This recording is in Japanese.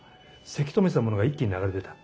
せき止めてたものが一気に流れ出た。